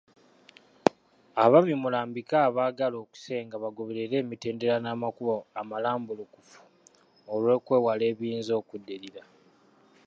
Abaami mulambike abaagala okusenga bagoberere emitendera n'amakubo amalambulukufu olwokwewala ebiyinza okuddirira.